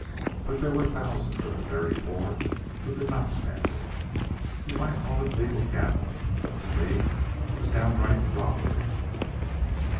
But there were thousands of the very poor who could not stand it. You might call it legal gambling, but to me it was downright robbery."